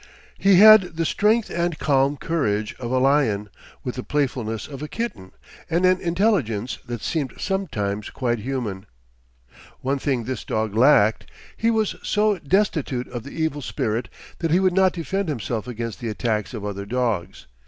He had the strength and calm courage of a lion, with the playfulness of a kitten, and an intelligence that seemed sometimes quite human. One thing this dog lacked. He was so destitute of the evil spirit that he would not defend himself against the attacks of other dogs.